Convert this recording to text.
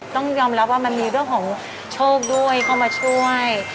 ต้องยอมรับว่ามันมีเรื่องของโชคด้วยเข้ามาช่วย